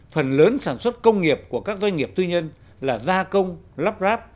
phần lớn sản xuất công nghiệp của các doanh nghiệp tư nhân là gia công lắp ráp